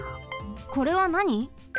これはなに？